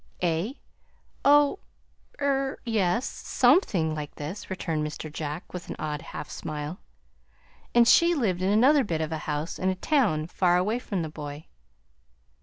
"Eh? Oh er yes, SOMETHING like this," returned Mr. Jack, with an odd half smile. "And she lived in another bit of a house in a town far away from the boy."